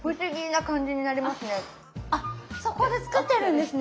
あっそこで作ってるんですね？